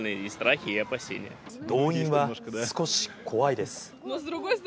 動員は少し怖いです。